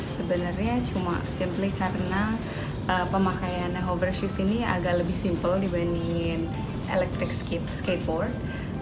sebenarnya cuma karena pemakaian hover shoes ini agak lebih simpel dibandingin electric skateboard